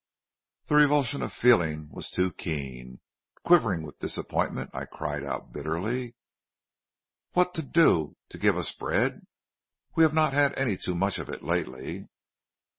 "The revulsion of feeling was too keen. Quivering with disappointment, I cried out, bitterly: "'What to do? To give us bread? We have not had any too much of it lately.'